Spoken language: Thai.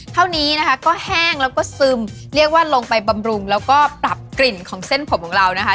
เท่านี้นะคะก็แห้งแล้วก็ซึมเรียกว่าลงไปบำรุงแล้วก็ปรับกลิ่นของเส้นผมของเรานะคะ